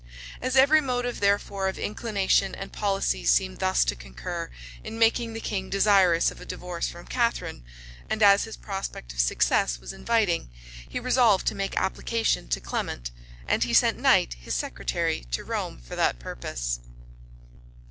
As every motive, therefore, of inclination and policy seemed thus to concur in making the king desirous of a divorce from Catharine, and as his prospect of success was inviting, he resolved to make application to Clement; and he sent Knight, his secretary, to Rome for that purpose.